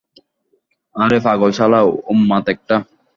আরে পাগল শালা উন্মাদ একটা।